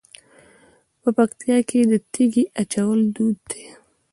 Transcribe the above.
په پکتیا کې د تیږې اچول دود دی.